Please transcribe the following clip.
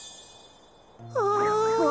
ああ！